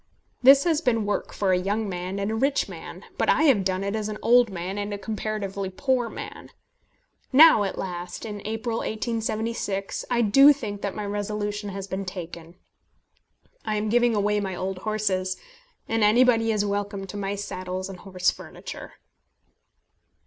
This has been work for a young man and a rich man, but I have done it as an old man and comparatively a poor man. Now at last, in April, 1876, I do think that my resolution has been taken. I am giving away my old horses, and anybody is welcome to my saddles and horse furniture.